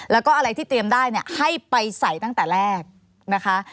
แล้วก็อะไรที่เตรียมได้เนี่ยให้ไปใส่ตั้งแต่แรกนะคะ